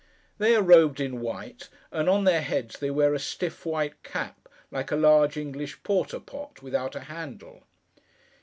They are robed in white; and on their heads they wear a stiff white cap, like a large English porter pot, without a handle.